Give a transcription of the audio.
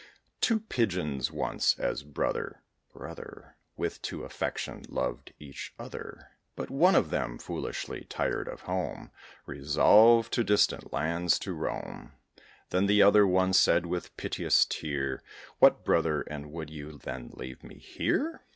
Two Pigeons once, as brother [brother], With true affection loved each other; But one of them, foolishly, tired of home, Resolved to distant lands to roam. Then the other one said, with piteous tear, "What! brother, and would you then leave me here?